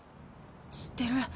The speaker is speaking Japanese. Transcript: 知ってる？